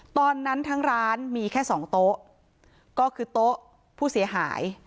ตอนนั้นทั้งร้านมีแค่สองโต๊ะก็คือโต๊ะผู้เสียหาย